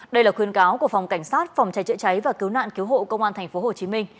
đây là khuyên cáo của phòng cảnh sát phòng trái trợ cháy và cứu nạn cứu hộ công an tp hcm